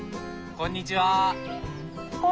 こんにちは。